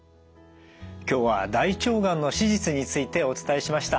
今日は大腸がんの手術についてお伝えしました。